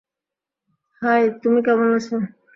High, তুমি কেমন আছো?